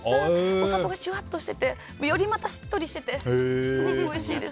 お砂糖がジュワッとしててよりしっとりしててすごくおいしいです。